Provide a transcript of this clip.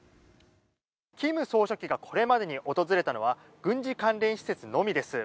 金総書記がこれまでに訪れたのは軍事関連施設のみです。